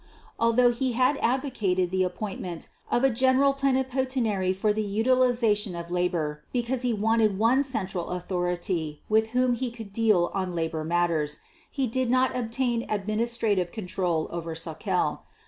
Although he had advocated the appointment of a General Plenipotentiary for the Utilization of Labor because he wanted one central authority with whom he could deal on labor matters, he did not obtain administrative control over Sauckel.